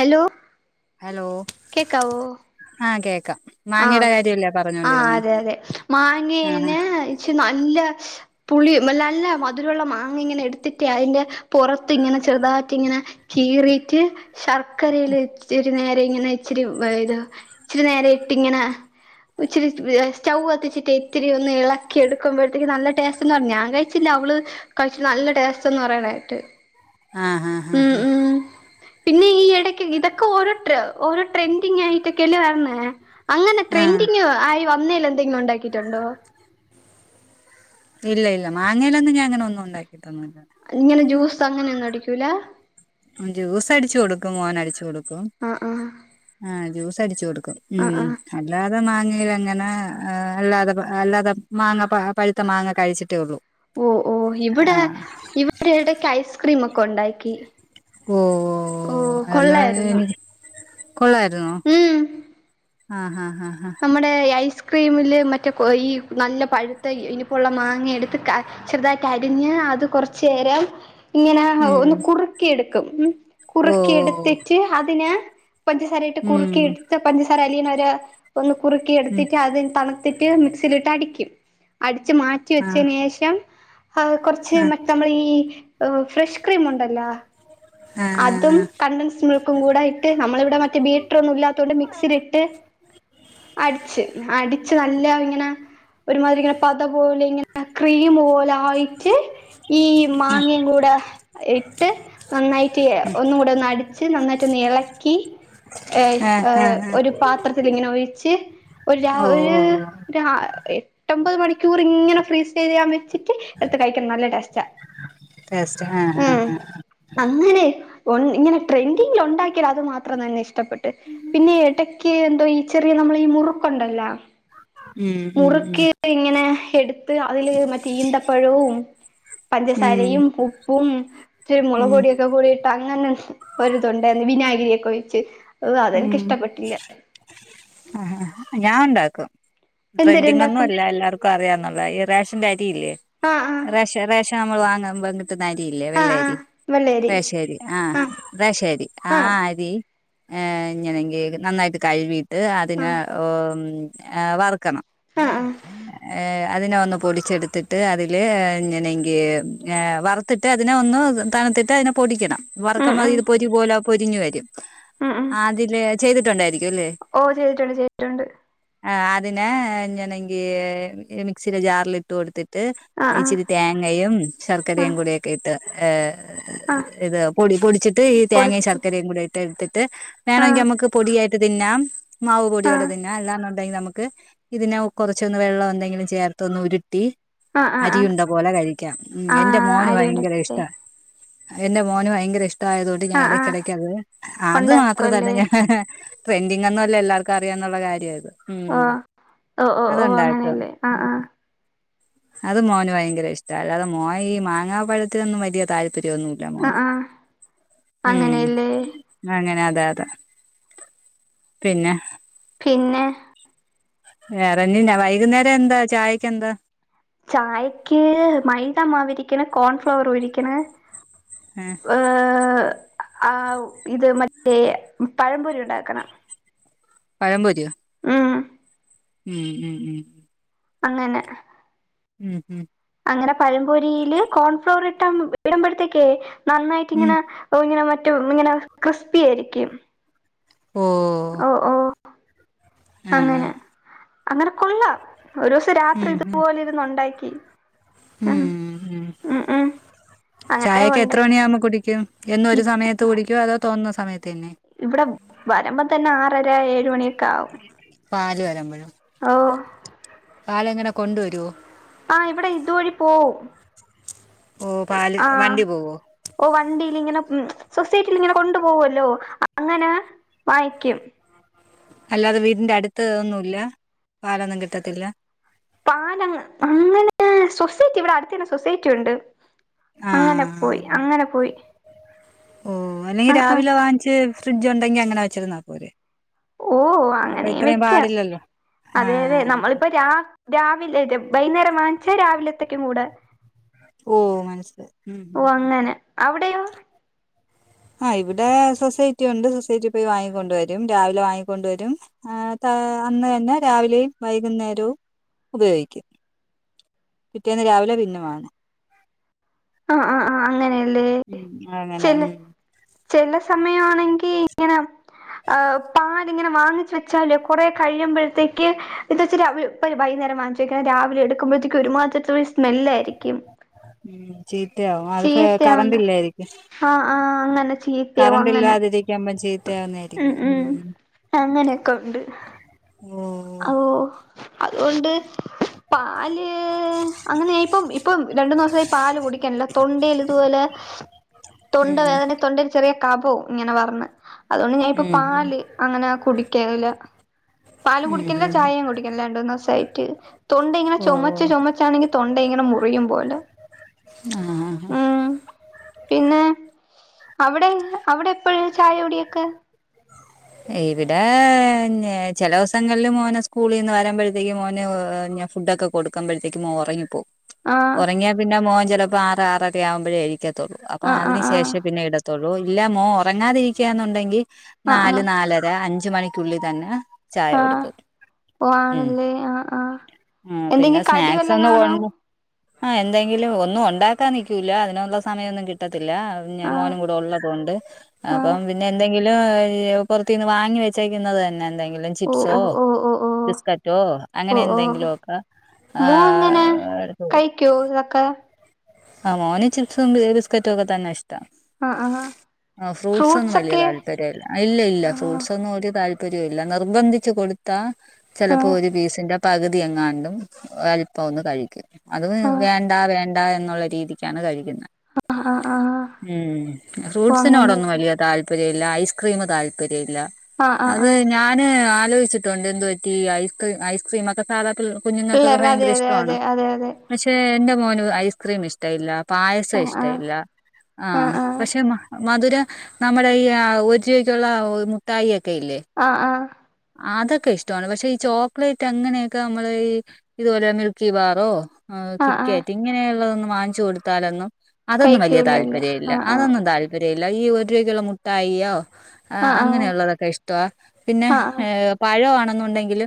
Hello hello കേക്കാവോ ആഹ് കേക്കാം മാങ്ങയുടെ ആഹ് കാര്യല്ലേ ആഹ് പറഞ്ഞോണ്ടിരുന്നേ അതെ അതെ ആഹ് മാങ്ങയേനെ ഇച്ച്നല്ല പുളി നല്ലല്ല മധുരവുള്ള മാങ്ങ ഇങ്ങനെ എട്ത്തിട്ടേ അയ്ന്റെ പൊറത്ത് ഇങ്ങനെ ചെറുതാക്കി ഇങ്ങനെ കീറീറ്റ് ശർക്കരേൽ ഇച്ചിരി നേര ഇങ്ങനെ ഇച്ചിരി ഇത് ഇച്ചിരി നേര ഇട്ട് ഇങ്ങനെ ഇച്ചിരി സ്റ്റവ് കത്തിച്ചിട്ട് ഇത്തിരിഒന്ന് ഇളക്കി ഇട്ക്കുമ്പോഴത്തേക്ക് നല്ല ടേസ്റ്റ്ന്ന് പറഞ്ഞാ ഞാൻ കഴിച്ചില്ല അവള് കഴിച്ചിട്ട് നല്ല ടേസ്റ്റ്ന്ന് പറയണേട്ട് ആഹ് ആഹ് ആഹ് ഉം പിന്നെ ഈ എടക്ക് ഇതൊക്കെ ഓരോ ട്ര ഓരോ ട്രെൻഡിങ് ആയിട്ടൊക്കെല്ലേ വര്ണേ അങ്ങനെ ആഹ് ട്രെൻഡിങ് ആയി വന്നേല് എന്തെങ്കിലും ഉണ്ടാക്കിയിട്ടുണ്ടോ ഇല്ല ഇല്ല മാങ്ങയിലൊന്നുംഞാ അങ്ങനെ ഒന്നും ഉണ്ടാക്കിയിട്ടൊന്നുംല്ല ഇങ്ങനെ ജ്യൂസ് അങ്ങനെയ ഒന്നും അടിക്കൂല ജ്യൂസ് അടിച്ചു കൊടുക്കും മോന്അടിച്ചു കൊടുക്കും ആഹ് ആഹ് ആഹ് ജ്യൂസ് അടിച്ചു കൊടുക്കും ആഹ് ഉം ആഹ് അല്ലാതെ മാങ്ങയിലഅങ്ങനെ അല്ലാതെപ അല്ലാതെ മാങ്ങ പ പഴുത്ത മാങ്ങ കഴിച്ചിട്ടേ ഒള്ളൂ ഓഹ് ഓഹ് ഇവിടെ ഇവിടെ എടക്കഐസ്ക്രീം ഒക്കെ ഉണ്ടാക്കി ഓ ഓഹ് അതൊന്ന് കൊള്ളായിരുന്നോ എനിക്ക് കൊള്ളായിരുന്നോ ആഹ് ആഹ് ആഹ് ആഹ് നമ്മടെ ഈഐസ്ക്രീമില് മറ്റേ കൊഈ നല്ല പഴ്ത്ത ഇനിപ്പോ ഉള്ള മാങ്ങ എട്ത്ത് ക ചെറുതായിട്ടഅരിഞ്ഞ് അത് കാെറച്ചേരം ഇങ്ങനെ ഉം ഒന്ന് കുറുക്കി എടുക്കും ഉം ഓ കുറുക്കി ഓ എടുത്തിട്ട് അതിനെ പഞ്ചസാരയിട്ട് കുറുക്കി ഉം എടുത്ത് പഞ്ചസാര അലിയണ വരെ ഒന്ന് കുറുക്കി ഉം എടുത്തിട്ട് അതി തണു ത്തിട്ട് മിക്സീലിട്ടടിക്കും. അടിച്ച് മാറ്റി ആഹ് വച്ചതിനുശേഷം കുറച്ച് ആഹ് മ നമ്മളെ ഈ ഫ്രഷ് ക്രീം ഉണ്ടല്ലോ ആഹ് ആഹ് അതും ആഹ് കണ്ടൻസ് മിൽക്കും കൂടെ ഇട്ട് നമ്മളിവിടെ മറ്റ ബീറ്ററൊന്നും ഇല്ലാത്തോണ്ട് മിക്സീലിട്ട് അടിച്ച് അടിച്ച് നല്ല ഇങ്ങനെ ഒരുമാതിരി ഇങ്ങനെ പത പോലെ ഇങ്ങനെ ക്രീം പോലെ ആയിട്ട് ഈ മാങ്ങയും കൂടെ ഇട്ട് നന്നായിട്ട് ഒന്നും കൂടെ ഒന്ന് അടിച്ച് നന്നായിട്ട് ഒന്ന് ഇളക്കി ആഹ് ഏഹ് ആഹ് ആഹ് ഒരു പാ പാത്രത്തിലിങ്ങനെ ഒഴിച്ച് ഒരു രാ ഓ ഒരു ഓ രാ എട്ടൊമ്പത് മണിക്കൂർ ഇങ്ങനെ ഫ്രീസ് ചെയ്യാൻ വെച്ചിട്ട് എടുത്ത് കഴിക്കണം നല്ല ടേസ്റ്റാ ടേസ്റ്റ് ആഹ് ആഹ് ഉം ആഹ് അങ്ങനെ ഇങ്ങനെ ട്രെൻഡിങ്ങിൽ ഉണ്ടാക്കിയാൽ അത് മാത്രം തന്നെ ഇഷ്ടപ്പെട്ട് പിന്നെ എടക്ക് എന്തോ ഈ ചെറിയ നമ്മളെ ഈ മുറുക്കുണ്ടല്ലോ ഉം ഉം ഉം മുറുക്ക് ഇങ്ങനെ എടുത്ത് അതില് മറ്റേ ഈന്തപ്പഴവും ഉം പഞ്ചസാരയും പു പ്പും ഇച്ചിരി മുളക് ഉം പൊടിയുവൊക്കെ കൂടെയിട്ട് അങ്ങനെ ഒരിതൊണ്ടായിരുന്ന് വിനാഗിരിയൊക്കെ ഒഴിച്ച് ഓ അതെനിക്കിഷ്ടപ്പെട്ടില്ല ഉം ഉം ഞാനൊണ്ടാക്കും എന്തര് ട്രെൻഡിങ്ങൊന്നും ഉണ്ടാക്കും അല്ല എല്ലാവർക്കും അറിയാന്നൊള്ളതാ ഈ റേഷൻ്റെ അരിയില്ലേ ആഹ് ആഹ് റേഷ റേഷൻ നമ്മള് വാങ്ങുമ്പോ കി ന്ന അരിയില്ലേ ആഹ് ആഹ് വെള്ളയരി വെള്ളരി റേഷനരി ആഹ് റേഷനരി ആ ആഹ് അരി [unintelligible] നന്നായിട്ട് കഴുവീട്ട് അതിനെ ആഹ് ഉം വറുക്കണം ആഹ് ആഹ് [inaudible] അതിനെ ഒന്ന് പൊടിച്ചെടുത്തിട്ട് അതില് ഇങ്ങനെങ്കി വറു ത്തിട്ട് അതിനെ ഒന്ന് തണുത്തിട്ട് അതിനെ പൊടിക്കണം ഉം വറക്കുമ്പം ഉം ഇത് പൊരി പോലെ പൊരിഞ്ഞു വരും ഉം ഉം അതില് ചെയ്തിട്ടുണ്ടായിരിക്കും അല്ലേ ഓ ചെയ്തിട്ടുണ്ട് ചെയ്തിട്ടുണ്ട് അതിനെ ഇങ്ങനെങ്കി മിക്‌സീടെ ജാറിലിട്ട് കൊടുത്തി ത്തിട്ട് ആഹ് ആഹ് ഇച്ചിരി തേങ്ങയും ശർക്കരയും ആഹ് കൂടെയൊക്കെ ഇട്ട് ആഹ് ഇത് പൊടി പൊടിച്ചിട്ട് ഈ തേങ്ങയും പൊടിച്ചിട്ട് ശർക്കരയും കൂടെ ഇട്ടു കൊടുത്തിട്ട് ആഹ് വേണമെങ്കിൽ നമുക്ക് പൊടിയായിട്ട് തിന്നാം മാവു പൊടിയോടെ ആഹ് തന്നെ പിന്നെ അല്ലാന്നൊണ്ടെങ്കിൽ നമുക്ക് ഇതിനെ കുറച്ചൊന്ന് വെള്ളം എന്തെങ്കിലും ചേർത്തൊന്ന് ഉരുട്ടി ആഹ് ആഹ് ആഹ് അരിയുണ്ട പോലെ കഴിക്കാം ഉം എൻ്റെ ആഹ് മോന് അരി ഭയങ്കര ഉണ്ടല്ലേ ഇഷ്ടാ എന്റെ മോന് ഭയങ്കര ഇഷ്ടായതുകൊണ്ട് ഞാൻ ആഹ് ആഹ് ഇടക്കിടക്ക് അത് അത് മാത്രം തന്നെ ഉണ്ടാക്കുവല്ലേ ഞാൻ ട്രെൻഡിങ്ങൊന്നുമല്ല എല്ലാർക്കും അറിയാന്നുള്ള കാര്യാ ഇത് ഉം ആഹ് ഓ ഓ ഓ അതുണ്ടാക്കും അങ്ങനെയല്ലേ ആഹ് ഉം ആഹ് അത് മോന് ഭയങ്കര ഇഷ്ടാ അല്ലാതെ മോൻ ഈ മാങ്ങാപ്പഴത്തിനൊന്നും വലിയ താൽ പര്യമൊന്നുമില്ല മോന് ആഹ് ആഹ് ഉം അങ്ങനെയല്ലേ അങ്ങനെ അതെ അതെ പിന്നെ പിന്നെ വേറൊന്നുമില്ല വൈകുന്നേരം എന്താ ചായക്കെന്താ ചായക്ക് മൈദമാവിരിക്കണ് കോൺഫ്ലോറുവിരിക്കണ് ആഹ് ആഹ് ഇത് [unintelligible] പഴംപൊരി ഉണ്ടാക്കണം പഴം പ്പൊരിയോ? മ് ഉം ഉം ഉം അങ്ങനെ ഉം ഉം അങ്ങനെ പഴപൊരിയില് കോൺഫ്ലോറിട്ടാ ഇടുമ്പഴത്തേക്കേ ഉം നന്നായിട്ട്ങ്ങനെ ഓ ഇങ്ങനെ മറ്റെ ഒന്നിങ്ങനെ ക്രിസ്പിയായിരിക്കും ഓഹ് ഓഹ് അങ്ങനെ അങ്ങനെ കൊള്ളാം ഒരൂസ ഉം ഉം രാത്രിയിതുപോലിരുന്നുണ്ടാക്കി ഉം ഉം അങ്ങനെ ചായൊക്കെ കൊണ്ട് എത്ര മണിയാകുമ്പോ കുടിക്കും? എന്നും ഇ ഒരു സമയത്ത് കുടിക്കുവോ? അതോ തോന്നുന്ന സമയത്തന്നെ ഇവടെ വരുമ്പം തന്നെ ആറര ഏഴ് മണിയൊക്കെയാകും പാല് വരമ്പഴോ പാലെങ്ങനെ കൊണ്ടുവരുവോ? ആഹ് ഇവടെ ഇതുവഴി പോവും ഓ പാല് ആഹാ വണ്ടി പോവോ ഓ വണ്ടീലിങ്ങനെ മ് സൊസൈറ്റിലിങ്ങനെ കൊണ്ടു പോവല്ലോ അങ്ങനെ വാങ്ങിക്കും അല്ലാതെ വീടിന്റെ അടുത്ത് ഒന്നുംല്ല പാലൊന്നും കിട്ടത്തില്ല? പാലങ്ങ അങ്ങനെ സൊസൈറ്റി ഇവിടെ അടുത്തന്നെ സൊസൈറ്റിയുണ്ട് ആ അങ്ങനെ പോയി അങ്ങനെ പോയി ഓ അല്ലെങ്കി ആ ആ രാവിലെ വാങ്ങിച്ച് ഫ്രിഡ്ജുണ്ടെങ്കി അങ്ങനെ വെച്ചിരുന്നാ പോരെ? ഉവ്വ് ഉവ്വ് അപ്പൊ അങ്ങനേം ഇത്രയും വെക്കാ പാടില്ലല്ലോ ആ അതായത് നമ്മള് ഇപ്പൊ രാ രാവിലെക്കെ വൈന്നേരം വാങ്ങിച്ചാ രാവിലെത്തേക്കും കൂടെ ഓഹ് മനസ്സിലായി ഉം ഓ ഉം അങ്ങനെ അവിടെയോ? ആ ഇവടെ സൊസൈറ്റിയുണ്ട് സൊസൈറ്റി പോയി വാങ്ങിക്കൊണ്ട് വരും രാവിലെ വാങ്ങിക്കൊണ്ട് വരും ആ ന്ന്ട്ട് അന്ന് തന്നെ രാവിലെയും വൈകുന്നേരവും ഉപയോഗിക്കും പിറ്റേന്ന് രാവിലെ പിന്നെ വാങ്ങും ആഹ് ആ് ആ് അങ്ങനെയല്ലേ? ഉം അങ്ങനെ ഉം ചെല ചെല സമയാണെങ്കിയിങ്ങനെ ഏഹ് പാലിങ്ങനെ വാങ്ങിച്ചു വെച്ചാല് കൊറേ കഴിയുമ്പഴത്തേക്ക് ഇത്ച്ചിരി അവിയും ഇപ്പഴെ വൈന്നേരം വാങ്ങിച്ച് വെക്കുന്നെ രാവിലെ എടുക്കുമ്പഴത്തേക്ക് ഒരുമാത്രിത്തൊരു സ്മെല്ലായിരിക്കും ഉം ചീത്തയാവും അത്പ്പെ ചീത്തയാണ് കറണ്ട്ല്ലായിരിക്കും ആഹ് ആ് അങ്ങനെ ചീത്തയാവും അങ്ങനെ കറണ്ട്ല്ലാതിരിക്കുമ്പം ഉം ചീത്തായാവുന്നായിരിക്കും ഉം അങ്ങനെയൊക്കെ ഉണ്ട് ഓഹ് ഓഹ് അതുകൊണ്ട് പാല് അങ്ങനെയിപ്പം ഇപ്പം രണ്ട്ന്നൂസായി പാല് കുടിക്കണില്ല തൊണ്ടയില്തുപോലെ തൊണ്ട ഉം വേദനം തൊണ്ടേൽ ചെറിയ കഫോം ഇങ്ങനെവർണ് അതുകൊണ്ട് ഞാനിപ്പ ഉം പാല് അങ്ങനെ കുടിക്കലില്ല പാല് കുടി ഉം ഉം [inaudible] കുടിക്ക്ണില്ലാ രണ്ട് മൂന്നോസായ്ട്ട് തൊണ്ടയിങ്ങനെ ഓ ചൊമച്ച് ചൊമച്ചാണെങ്കി തൊണ്ടയിങ്ങനെ മുറിയും പോലെ. ആഹ് ആഹ് ഉം പിന്നെ അവിടെ അവിടെപ്പഴേ ചായ കുടിയൊക്കെ? ഇവിടേ ന്നെ ചെല ദൊവസങ്ങളില് മോന് സ്കൂളീന്ന് വരാമ്പഴത്തേക്കിനും മോന് എഹ് ഞാ ഫുഡൊക്കെ കൊ കൊടുക്കാമ്പഴത്തേക്ക് മോ ഒറങ്ങിപ്പോവും ആഹ് ഒറങ്യാ പിന്നെ മോൻ ചെലപ്പോ ആറ് ആറര ആവുമ്പഴേ എണീക്കത്തോള്ളൂ അപ്പൊ ആഹ് അതിന് ആഹ് ശേഷെ പിന്നെ ഇടത് ത്തൊള്ളൂ ഇല്ല മോ ഒറങ്ങാതിരിക്കന്നുണ്ടെങ്കി ആഹ് ആഹ് ന്നാല് ന്നാലര അഞ്ച് മണി. ക്കുള്ളി തന്നെ ചായ ആഹ് ആഹ് കൊട്ക്കും ഓ ഉം ആണല്ലേ ആഹ് ആഹ് ആഹ് എന്തെങ്കി പിന്നെ കടി സ്നാക്സ് വല്ലോം ഒന്നും കാണോ കൊണ്ട് ആഹ് എന്തെങ്കിലും ഒന്ന് ഒണ്ടാക്കാൻ നിക്കൂല്ല അതിനുള്ള സമയൊന്നും കിട്ടത്തില്ല ഞാൻ ആഹ് മോനും കൂടെ ഉള്ള തോണ്ട് ആഹ് അപ്പം പിന്നെ എന്തെങ്കിലും ഇ പൊറത്തിന്ന് വാങ്ങി വെച്ചേക്കുന്നത് തന്നെ എന്തെങ്കിലും ഓഹ് ഓഹ് ഓഹ് ഓഹ് ബിസ്കറ്റോ അങ്ങനെ എന്തെങ്കിലൊക്കെ ആഹ് എട്ത് വെയ്ക്കൊതൊക്കെ ആഹ് മോന് ചിപ്സും ബിസ്ക്കറ്റും ഒക്കെ തന്നെ ഇഷ് താ ആഹ് ആഹ് ആഹ് ഫ്രൂട്ടസൊന്നും ഫ്രൂട്ട്സ് വല്ല്യാ ഒക്കെ താല്പര്യല്ല ഇല്ല ഇല്ല ആഹ് ഫ്രൂട്ട്സ് ഒന്നും ഒര് താല് പരോല്ല്യ നിർബന്ധിച്ചു കൊട്ത്താ ചെലപ്പോ ആഹ് ഒരു പീസിന്റെ പകുതി എങ്ങാണ്ടും അല്പം ഒന്ന് കഴിക്കും. അത് ആഹ് വേണ്ട വേണ്ട എന്നുള്ള രീതിക്കാണ് കഴിക്കുന്നെ. ആഹ് ആഹ് ആഹ് ഉം ഓ ഫ്രൂട്ട്സിനോടൊന്നും അങ്ങനെയല്ലേ വല്ല്യാ താൽ പ് രോല്ല്യ ഐസ്ക്രീമ് താൽപര്യല്ലാ ആഹ് ആഹ് അത് നാ ആഹ് ഞാന് ആലോയിച്ചിട്ടുണ്ട് എന്ത്‌പറ്റി ഐസ്ക്രീം ഐസ്ക്രീം ഒക്കെ സാധാ പിള് കുഞ്ഞുങ്ങക്കൊക്കെ പിള്ളേർക്ക് അതെ ഭയങ്കര അതെ ഇഷട്ടോവാണ് അതെ അതെ അതെ പഷെ എന്റെ മോന് ഐസ്ക്രീം ഇഷ്ട്ടം ഇല്ല. പായസം ആഹ് ഇഷ്ട്ടം ആഹ് ഇല്ല ആഹ് പഷെ മ മധുര ന്നമ്മുടെ ഈ ഒരു രുബക്കുള്ള മുട്ടായി ഒക്കെ ഇല്ലേ ആഹ് ആഹ് അതൊക്കെ ഇഷ്ടവാണ് പഷെ ഈ ചോക്ലേറ്റ് അങ്ങനെയൊക്കെ ന്നമ്മള് ഇത്പോലെ മിൽക്കി ബാറോ ആഹ് ആഹ് കിറ്റ്ക്ക്യാറ്റ് ഇങ്ങനെയുള്ളതൊന്ന് വാങ്ങിച്ചു കൊടുത്താലൊന്നും അതൊന്നും വലിയ കഴിക്കൂലല്ലേ താല്പര്യംല്ല ആഹ് ആഹ് അതൊന്നും താല്പര്യംല്ല ഈ ഒരുരുബക്ക്ള്ള മുട്ടായിയോ ആഹ് അങ്ങനെയുള്ളതൊക്കെ ഇഷ്ടവാ പിന്നെ ആഹ് ഏഹ് പഴവാണെന്നുണ്ടെങ്കില്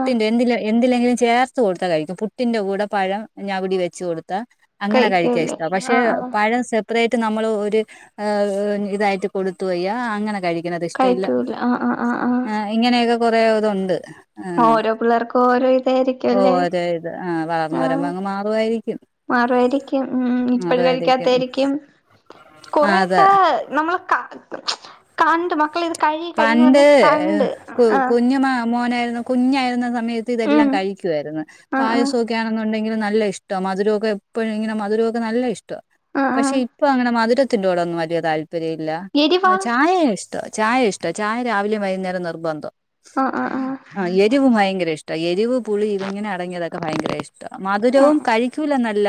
ആഹ് എന്ത്‌ലെ എന്തിലെങ്കിലും ചേർത്ത് കൊടുത്ത കഴിക്കും പുട്ടിന്റെ കൂടെ പഴം ഞാവിടി വെച്ച് കൊട്ത്ത അങ്ങനെ കഴിക്കാ കഴിക്കൂല ഇഷ്ടം ആഹ് പക്ഷെ ആഹ് പഴം സെപ് പ്രയ്റ്റ് ന്നമ്മള് ഒര് എഹ് ഇതായിട്ട് കൊടുത്തു വയ്യ അങ്ങനെ കഴി ക്ക്ണത് ഇഷ്ടവില്ല കഴിക്കൂല ആഹ് ആഹ് ആഹ് ഇങ്ങനെയൊക്കെ കൊറേ ഇതുണ്ട്. ആഹ് ഓരോ പിള്ളേർക്കും ഓരോ ഇതായിരിക്കും ഓഹ് അല്ലേ അതെ ഇത് ആഹ് വാർന്ന് വെരുമ്പോ ആഹ് അങ്ങ് മാറുവായിരിക്കും. മാറുവായിരിക്കും ഉം ഇപ്പോകഴിക്കാത്തായെരിക്കും ആ അതെ കൊറെയൊക്കെ ന്നമ്മള് ക കണ്ട് മക്കള് ഇത് കഴി കഴിന്ന് പണ്ട് പറഞ്ഞ് എഹ് കണ്ട് കു ആഹ് കുഞ്ഞു മ മോനായിര്ന്ന് കുഞ്ഞായിരുന്ന സമയത്ത് ഇതെല്ലാം ഉം കഴിക്കുവാര്ന്ന് ആഹ് ആഹ് പായസൊക് ക്കണെന്നുണ്ടെങ്കില് ന്നല്ലഇഷ്ട്ടാ മധുരോക്കെ എപ്പഴു ഇങ്ങനെ മധുരമൊക്കെ ന്നല്ല ഇഷ് ട്ട്വോ ആഹ് ആഹ് പഷെ ഇപ്പൊ അങ്ങനെ മധുരത്തിന്റോടോന്നും വലിയ താല്പര്യല്ല എരിവാ ആഹ് ചായയ ഇഷ്ടവാ ചായ ഇഷ്ട ചായ രാവിലേം വൈകുന്നേരം നിർബന്ധം ആഹ് ആഹ് ആഹ് എരിവും ഭയങ്കര ഇഷ് ട്ട എരിവ് പുളി ഇതിങ്ങനെ അടങ്ങിയതൊക്കെ ഭയങ്കര ഇഷ്ട്ടാ മധുരവും ആഹ് കഴിക്കൂലന്നല്ല.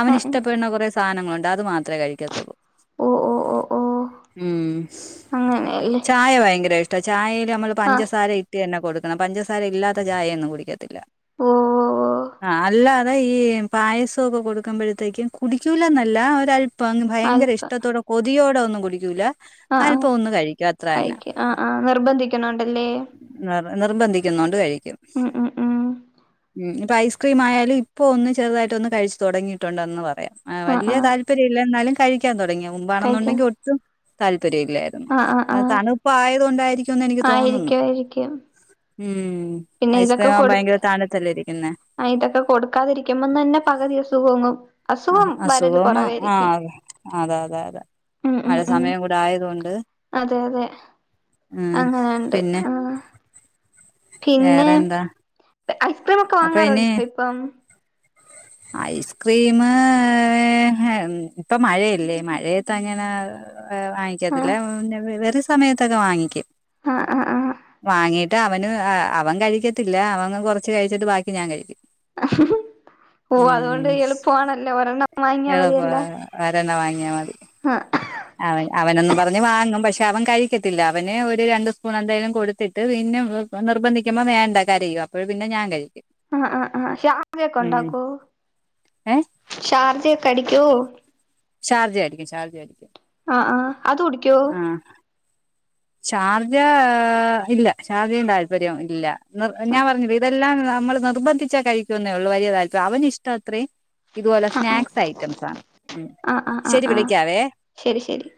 അവന് ആഹ് ഉം ഇഷ്ടപ്പെടുന്ന കൊറേ സാനങ്ങള്ണ്ട് അത് മാത്രെ കഴിക്കത്തോള്ളൂ. ഓഹ് ഓഹ് ഓഹ് ഓഹ് ഉം അങ്ങനെയല്ലേ. ചായ ഭയങ്കര ഇഷ്ടാ, ചായയിൽ നമ്മൾ ആഹ് പഞ്ചസാര ഇട്ട് തന്നെ കൊടുക്കണം പഞ്ചസാര ഇല്ലാത്ത ചായയൊന്നും കുടിക്കത്തില്ല. ഓഹ് ഓഹ് ആഹ് അല്ലാതെ ഈമ് പായസക്കൊ കൊടുക്കുമ്പോഴത്തേക്കും കുടിക്കൂല എന്നല്ല ഒരല്പം ഭയങ്കര അൽപ്പം ഇഷ്ടത്തോടെ കൊതിയോടെ ഒന്നും കുടിക്കൂല അല്പം ഒന്നു കഴിക്കും അ കഴിക്ക ആ ആ നിർബന്ധിക്ക്ണോണ്ടല്ലേ. നി നിർബന്ധിക്കുന്നോണ്ട് കഴിക്കും ഉം ഉം ഉം ഇഞ്ഞ് ഇപ്പ ഐസ് ക്രീമായാലും ഇപ്പോ ഒന്ന് ചെറുതായിട്ട് ഒന്ന് കഴിച്ച് തൊടങ്ങിട്ടുണ്ടന്ന് പറയാം ആഹ് വലിയ ആഹ് താല്പര്യല്ല എന്നാലും കഴിക്കാൻ തൊടങ്ങിയത് കഴിക്കാൻ മുമ്പാണെന്നുണ്ടെങ്കിൽ ഒട്ടും താല്പര്യമില്ലായിരുന്നു. ആഹ് ആഹ് അഹ് ആഹ് തണുപ്പ് ആയത് കൊണ്ടായിരിക്കുന്ന് എനിക്ക് തോന്നുന്നു ആയിരിക്കും ആയിരിക്കും ഉം. പിന്നെ ഇതൊക്കെ ഐസ്ക്രീം ആവുമ്പോ കൊടു ഭയങ്കര തണുത്തല്ലേ ഇരിക്കുന്നെ. ആ ഇതൊക്കെ കൊടുക്കാതിരിക്കുമ്പന്നെ പകുതി സുഖങ്ങും അഹ് അസുഖം മാ ആ അതെ അതെ അതെ അതെ ഉം ഉം മഴ ഉം സമയം കൂടെ ആയത്കൊണ്ട് അതെ അതെ ഉം. അങ്ങനെണ്ട് പിന്നെ? ആ പിന്നെ വേറെന്താ? ഐസ്ക്രീം ഒക്കെ അപ്പൊ ഇനി വാങ്ങാറുണ്ടോ ഇപ്പം? ഐസ്ക്രീം ഇപ്പോ മഴയല്ലേ മഴയത്ത് അങ്ങനെ ഏ ആ വാങ്ങിക്കത്തില്ല പിന്നെ വേറെ സമയത്തൊക്കെ വാങ്ങിക്കും. ആഹ് ആഹ് ആഹ്. വാങ്ങീട്ട് അവന് അവൻ കഴിക്കത്തില്ല. അവൻ കൊർച്ച് കഴിച്ചിട്ട് ബാക്കി ഞാൻ കഴിക്കും. ഓ അതൊണ്ട് ഉം എളുപ്പമാണല്ലേ ഒരണ്ണം വാങ്ങിയാ മതിയല്ല. ഒരണ്ണം വാങ്ങിയാ മതി. ആഹ് അവൻ അവനൊന്നും പറഞ്ഞ് വാങ്ങും പക്ഷേ അവൻ കഴിക്കത്തില്ല. അവന് ഒരു രണ്ട് സ്പൂൺ എന്തായാലും കൊടു ത്തിട്ട് പിന്നെ നിർബന്ധിക്കുമ്പോ വേണ്ട കരയും അപ്പോഴ് പിന്നെ ഞാൻ കഴിക്കും. ആ ആ ആ ഷാർജ ഒക്കെ ഉം ഉണ്ടാക്കോ? ഏഹ് ഷാർജക്കെ അടിക്കോ? ഷാർജ അടിക്കും ഷാർജ അടിക്കും. ആ ആ അത് കുടിക്കോ? ആഹ് ഷാർജ ഇല്ല ഷാർജയും താല്പര്യവും ഇല്ല നിർ ആ ഞാൻ പറഞ്ഞില്ലേ ഇതെല്ലാം നമ്മൾ നിർബ ന്ധിച്ചാ കഴിക്കുന്നേള്ളൂ വല്യ താല്പ അവന് ഇഷ്ട അത്രയും ഇതുപോലെ ആ സ്നാക്സ് ഐറ്റംസ് ആണ് ഉം ആ ആ ആ ശരി ആ വിളിക്കാവേ. ശരി ശരി